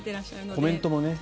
コメントもね。